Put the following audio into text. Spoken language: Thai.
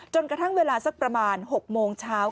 กระทั่งเวลาสักประมาณ๖โมงเช้า